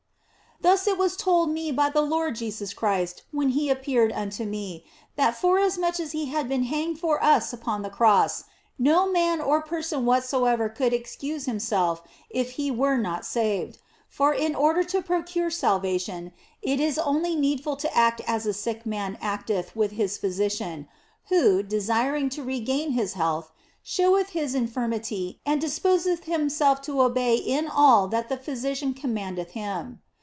Thus was it told me by the Lord Jesus Christ when He appeared unto me that forasmuch as He had been hanged for us upon the Cross, no man or person whatso ever could excuse himself if he were not saved. For in order to procure salvation it is only needful to act as a sick man acteth with his physician, who, desiring to regain his health, showeth his infirmity and disposeth 2i 4 THE BLESSED ANGELA himself to obey in all that the physician commandeth him.